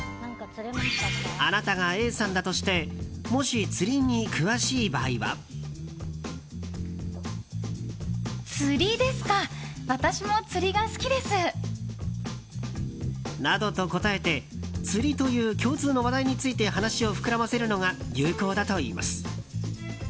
あなたがＡさんだとしてもし釣りに詳しい場合は。などと答えて釣りという共通の話題について話を膨らませるのが有効だといいます。